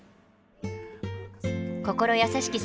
心優しき